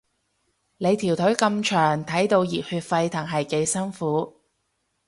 你條腿咁長，睇到熱血沸騰係幾辛苦